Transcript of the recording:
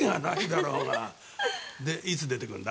でいつ出てくんだ？